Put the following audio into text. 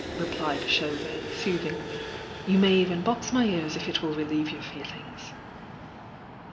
replied Chauvet, sooth ingly. "You may even box my ears, if it will relieve your feelings!"